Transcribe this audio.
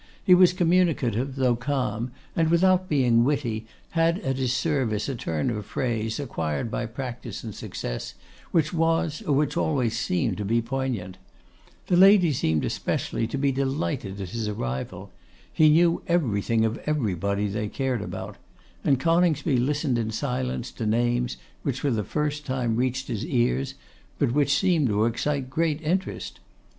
He was communicative, though calm, and without being witty, had at his service a turn of phrase, acquired by practice and success, which was, or which always seemed to be, poignant. The ladies seemed especially to be delighted at his arrival. He knew everything of everybody they cared about; and Coningsby listened in silence to names which for the first time reached his ears, but which seemed to excite great interest.